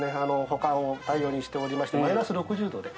保管を大量にしておりましてマイナス６０℃で。